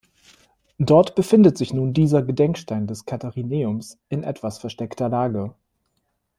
Dort befindet sich nun dieser Gedenkstein des Katharineums in etwas versteckter Lage.